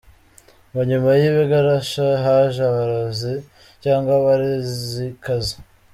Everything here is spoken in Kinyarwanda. Ngo nyuma y’ibigarasha, haje abarozi cg abarozikazi ?